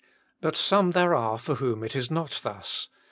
But some there are with whom it is not thus.